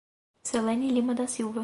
Celene Lima da Silva